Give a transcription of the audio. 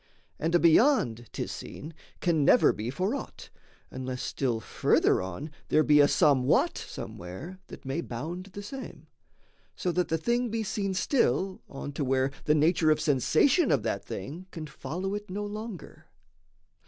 And a beyond 'tis seen can never be For aught, unless still further on there be A somewhat somewhere that may bound the same So that the thing be seen still on to where The nature of sensation of that thing Can follow it no longer.